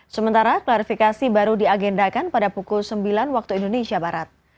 sementara klarifikasi baru diagendakan pada pukul sembilan waktu indonesia barat